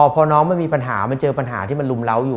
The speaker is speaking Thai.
พอน้องมันมีปัญหามันเจอปัญหาที่มันลุมเล้าอยู่